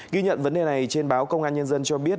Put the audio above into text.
ghi nhận vấn đề này trên báo công an nhân dân cho biết